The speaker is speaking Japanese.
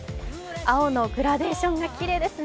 青のグラデーションがきれいですね。